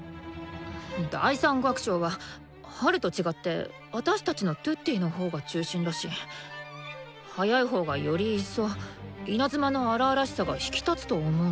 第３楽章は「春」と違ってあたしたちのトゥッティのほうが中心だし速いほうがより一層稲妻の荒々しさが引き立つと思うんだけど。